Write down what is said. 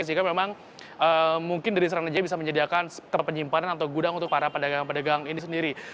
sehingga memang mungkin dari seranajaya bisa menyediakan terpenyimpanan atau gudang untuk para pedagang pedagang ini sendiri